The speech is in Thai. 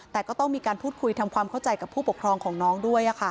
แต่ก็ต้องมีการพูดคุยทำความเข้าใจกับผู้ปกครองของน้องด้วย